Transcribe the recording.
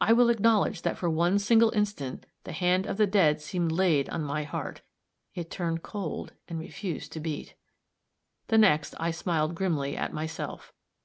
I will acknowledge that for one single instant the hand of the dead seemed laid on my heart; it turned cold, and refused to beat. The next, I smiled grimly at myself.